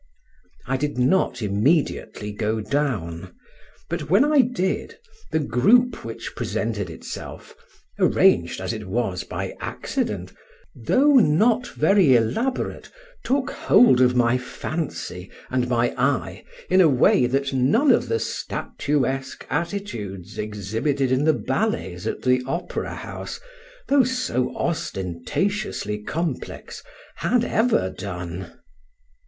I did not immediately go down, but when I did, the group which presented itself, arranged as it was by accident, though not very elaborate, took hold of my fancy and my eye in a way that none of the statuesque attitudes exhibited in the ballets at the Opera house, though so ostentatiously complex, had ever done.